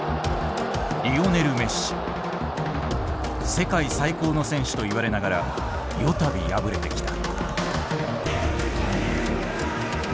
世界最高の選手と言われながら四度敗れてきた。